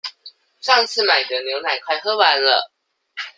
上次買的牛奶快喝完了